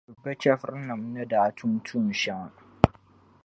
Ka Tinim’ Naawuni daŋsi yuli bɛ chεfurnima ni daa tum tuun’ shɛŋa.